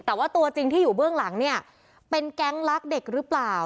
แต่ว่าตัวจริงที่อยู่เบื้องหลังเนี่ยเป็นแก๊งรักเด็กหรือเปล่า